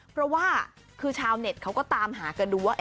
เพราะว่าคือชาวเน็ตเขาก็ตามหากันดูว่า